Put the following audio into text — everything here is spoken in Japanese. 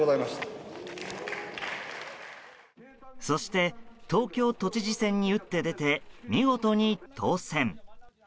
そして東京都知事選に打って出て見事に当選。